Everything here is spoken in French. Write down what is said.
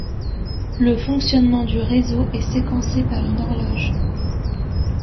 Le fonctionnement du réseau est séquencé par une horloge.